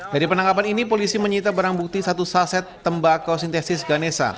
dari penangkapan ini polisi menyita barang bukti satu saset tembakau sintesis ganesa